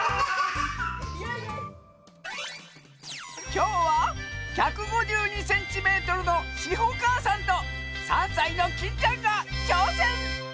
きょうは１５２センチメートルのしほかあさんと３さいのキンちゃん。がちょうせん！